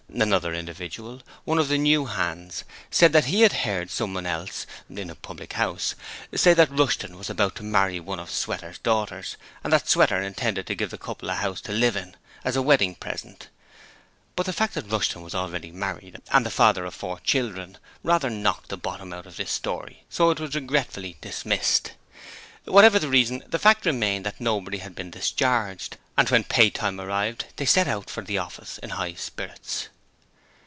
Another individual one of the new hands said that he had heard someone else in a public house say that Rushton was about to marry one of Sweater's daughters, and that Sweater intended to give the couple a house to live in, as a wedding present: but the fact that Rushton was already married and the father of four children, rather knocked the bottom out of this story, so it was regretfully dismissed. Whatever the reason, the fact remained that nobody had been discharged, and when pay time arrived they set out for the office in high spirits.